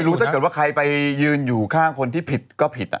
ถ้าเกิดว่าใครไปยืนอยู่ข้างคนที่ผิดก็ผิด